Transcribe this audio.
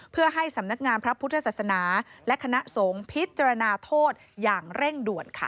พระพุทธศาสนาและคณะสงฆ์พิจารณาโทษอย่างเร่งด่วนค่ะ